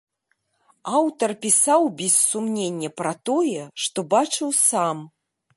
Аўтар пісаў, без сумнення, пра тое, што бачыў сам.